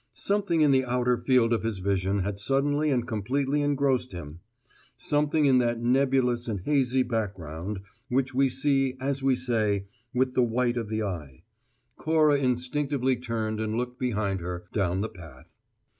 Something in the outer field of his vision had suddenly and completely engrossed him; something in that nebulous and hazy background which we see, as we say, with the white of the eye. Cora instinctively turned and looked behind her, down the path.